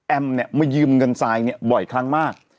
เนี่ยมายืมเงินทรายเนี่ยบ่อยครั้งมาก